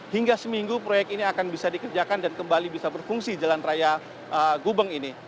hingga seminggu proyek ini akan bisa dikerjakan dan kembali bisa berfungsi jalan raya gubeng ini